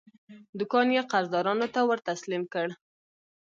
دوکان یې قرضدارانو ته ورتسلیم کړ.